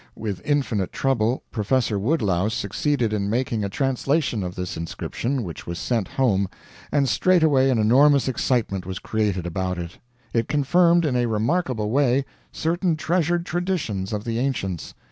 With infinite trouble, Professor Woodlouse succeeded in making a translation of this inscription, which was sent home, and straightway an enormous excitement was created about it. It confirmed, in a remarkable way, certain treasured traditions of the ancients.